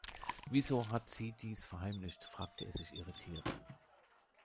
Wieso hat sie dies verheimlicht, fragt er sich irritiert.